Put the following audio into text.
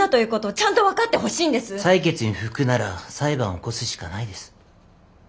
裁決に不服なら裁判を起こすしかないです。